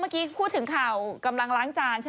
ก็เดี๋ยวให้ถึงตรงนั้นก่อนสิ